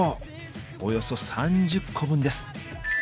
およそ３０個分です。